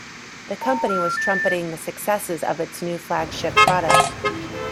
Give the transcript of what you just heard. The company was trumpeting the successes of its new flagship product.